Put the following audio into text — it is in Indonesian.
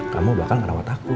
kamu bakal ngerawat aku